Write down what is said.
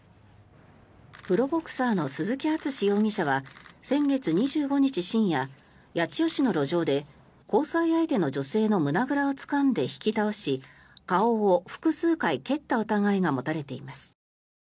プロボクサーの鈴木淳容疑者は先月２５日深夜八千代市の路上で交際相手の女性の胸ぐらをつかんで引き倒し顔を複数回蹴った疑いが持たれています。